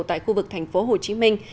tại khu vực thành phố hồ chí minh